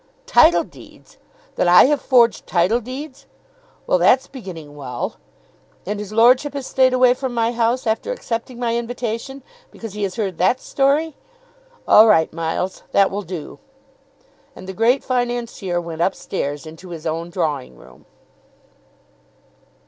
"Title deeds! that I have forged title deeds. Well; that's beginning well. And his lordship has stayed away from my house after accepting my invitation because he has heard that story! All right, Miles; that will do." And the Great Financier went upstairs into his own drawing room.